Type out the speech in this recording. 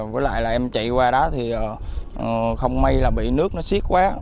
với lại là em chạy qua đó thì không may là bị nước nó xiết quá